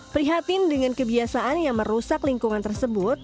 prihatin dengan kebiasaan yang merusak lingkungan tersebut